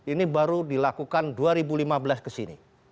ini baru dilakukan dua ribu lima belas kesini